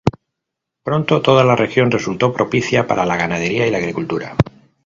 Pronto toda la región resultó propicia para la ganadería y la agricultura.